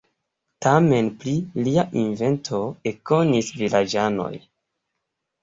Tamen pri lia invento ekkonis vilaĝanoj.